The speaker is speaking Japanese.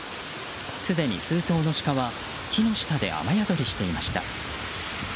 すでに数頭のシカは木の下で雨宿りしていました。